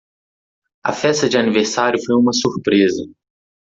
A festa de aniversário foi uma surpresa.